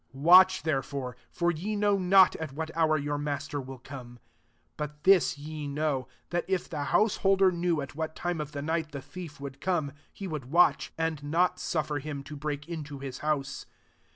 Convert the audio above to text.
42 " Watch therefore : fory& know not at what hour your master will come. 43 But this ye know, that if the householder knew at what time of the night the thief would come, he would watch, and not suffer him to break into his house.